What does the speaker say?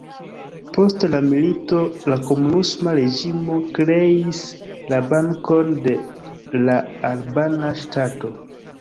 Post la milito la komunisma reĝimo kreis la Bankon de la Albana Ŝtato.